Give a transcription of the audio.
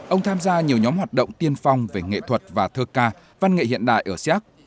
ông tham gia nhiều nhóm hoạt động tiên phong về nghệ thuật và thơ ca văn nghệ hiện đại ở siác